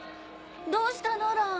どうしたの蘭？